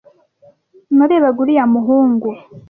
narebaga uriya muhungu.